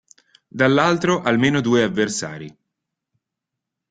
Dall'altro almeno due avversari.